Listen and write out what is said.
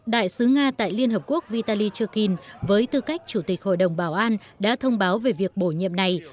đại sứ nga tại liên hợp quốc vitay chokin với tư cách chủ tịch hội đồng bảo an đã thông báo về việc bổ nhiệm này